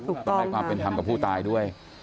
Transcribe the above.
มีความเป็นทำกับผู้ตายด้วย